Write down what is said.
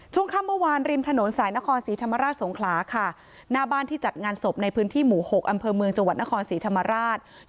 ช่วงค่ำเมื่อวานริมถนนสายนครศรีธรรมราชสงขลาค่ะหน้าบ้านที่จัดงานศพในพื้นที่หมู่๖อำเภอเมืองจังหวัดนครศรีธรรมราช